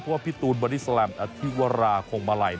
เพราะว่าพิตูนบริษลัมอธิวราโคงมาลัย